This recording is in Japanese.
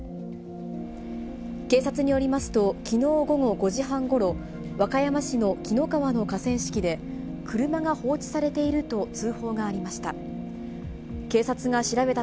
警察によりますと、きのう午後５時半ごろ、和歌山市の紀の川の河川敷で、車が放置されていると通報がありました。